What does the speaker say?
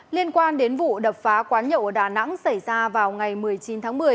liên quan đến vụ đập phá quán nhậu ở đà nẵng xảy ra vào ngày một mươi chín tháng một mươi